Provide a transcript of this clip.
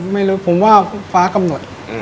ไม่รู้ผมว่าฟ้ากำหนด